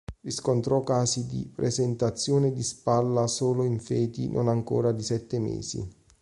Riscontrò casi di presentazione di spalla solo in feti non ancora di sette mesi.